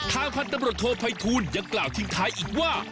ทางพันธบรโทษภัยทูลยังกล่าวทิ้งท้ายอีกว่า